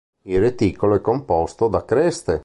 Il reticolo è composto da creste.